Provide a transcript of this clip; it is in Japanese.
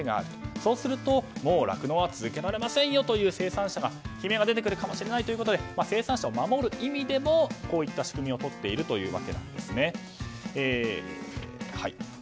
そうすると、もう酪農は続けられませんよという生産者から悲鳴が出てくるかもしれないということで生産者を守る意味でもこういった仕組みをとっているというわけです。